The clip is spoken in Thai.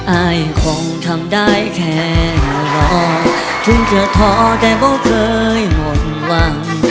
อายคงทำได้แค่รอถึงจะท้อแต่ก็เคยหมดหวัง